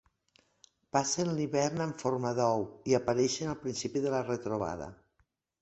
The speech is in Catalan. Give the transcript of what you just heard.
Passen l'hivern en forma d'ou i apareixen al principi de la rebrotada.